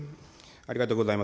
ありがとうございます。